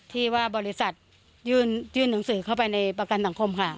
ที่ว่าบริษัทยื่นหนังสือเข้าไปในประกันสังคมค่ะ